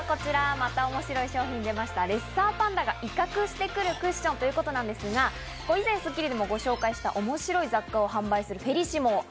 また面白い商品が出ました、レッサーパンダが威嚇してくるクッションということなんですが、以前『スッキリ』でもご紹介したユニークな雑貨などを販売しているフェリシモ。